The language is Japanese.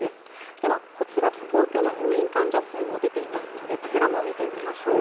では、こちら東京の入院患者数も出ていますのでこちらも見てみましょう。